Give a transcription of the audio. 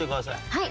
はい。